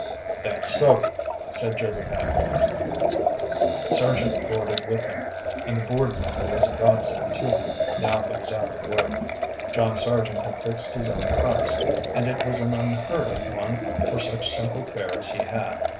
"That's so," said Joseph Atkins. Sargent boarded with him, and the board money was a godsend to him, now he was out of work. John Sargent had fixed his own price, and it was an unheard of one for such simple fare as he had.